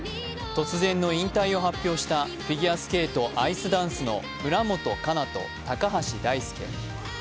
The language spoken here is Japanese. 突然の引退を発表したフィギュアスケート・アイスダンスの村元哉中と高橋大輔。